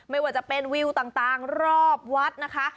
ไม่ว่าจะเป็นวิวต่างรอบวัดนะคะ